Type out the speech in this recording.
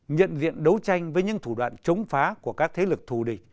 nhận diện đấu tranh với những thủ đoạn chống phá của các thế lực thù địch